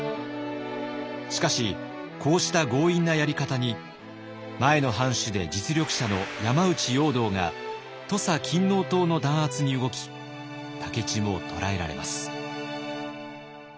しかしこうした強引なやり方に前の藩主で実力者の山内容堂が土佐勤王党の弾圧に動き武市も捕らえられます。